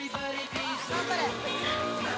頑張れ！